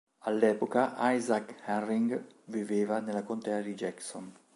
All'epoca Isaac Herring viveva nella contea di Jackson.